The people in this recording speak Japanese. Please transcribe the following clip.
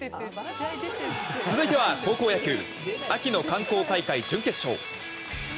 続いては高校野球秋の関東大会準決勝。